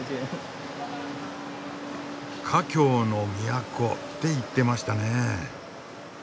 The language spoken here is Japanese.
「華僑の都」って言ってましたねえ。